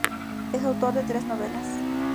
Es autor de tres novelas.